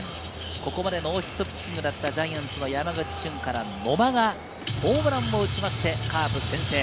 ここまでノーヒットピッチングだったジャイアンツの山口俊から野間がホームランを打ちましてカープ先制。